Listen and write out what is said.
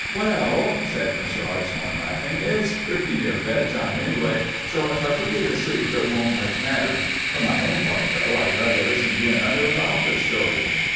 "Well," said Mr. Hartshorn, laughing, "it's pretty near bedtime, anyway, so if I put you to sleep it won't much matter. For my own part, though, I'd rather listen to another of Alfred's stories."